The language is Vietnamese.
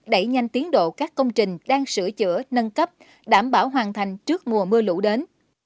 đẩy nhanh tiến độ các công trình đang sửa chữa nâng cấp đảm bảo hoàn thành trước mùa mưa lũ đến